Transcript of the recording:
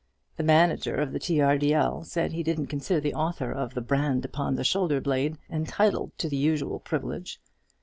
The manager of the T. R. D. L. said he didn't consider the author of 'The Brand upon the Shoulder blade' entitled to the usual privilege.